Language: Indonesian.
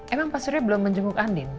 emang pak surya belum menjenguk andin